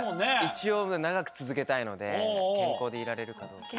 一応長く続けたいので健康でいられるかどうか。